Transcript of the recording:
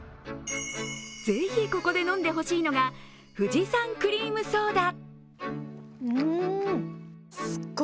ぜひここで飲んでほしいのが富士山クリームソーダ。